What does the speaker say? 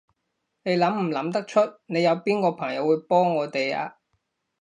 你諗唔諗得出，你有邊個朋友會幫我哋啊？